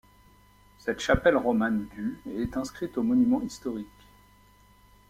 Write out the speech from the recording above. Cette chapelle romane du est inscrite aux monuments historiques.